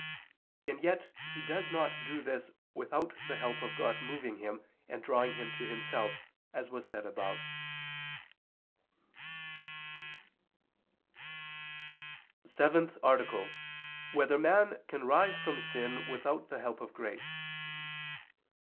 And yet he does not do this without the help of God moving him, and drawing him to Himself, as was said above. ________________________ SEVENTH ARTICLE [I II, Q. 109, Art. 7] Whether Man Can Rise from Sin Without the Help of Grace?